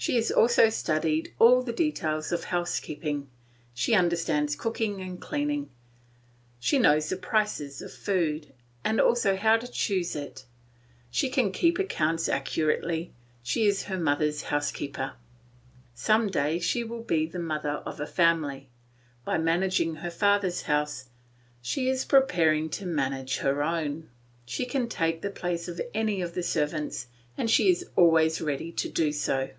She has also studied all the details of housekeeping; she understands cooking and cleaning; she knows the prices of food, and also how to choose it; she can keep accounts accurately, she is her mother's housekeeper. Some day she will be the mother of a family; by managing her father's house she is preparing to manage her own; she can take the place of any of the servants and she is always ready to do so.